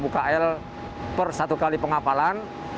lima kl per satu kali pengapalan